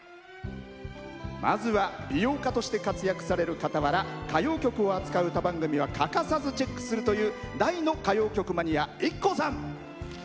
まずは美容家として活躍されるかたわら歌謡曲を扱う歌番組は欠かさずチェックするという大の歌謡曲マニア、ＩＫＫＯさん。